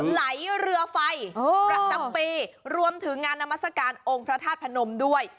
ไหลเรือไฟประจำปีรวมถึงงานนามัศกาลองค์พระธาตุพนมด้วย